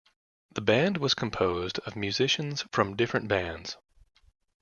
The band was composed of musicians from different bands.